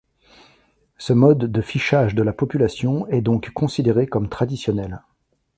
Ce mode de fichage de la population est donc considéré comme traditionnel.